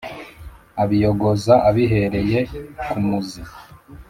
abiyogoza abihereye ku muzi;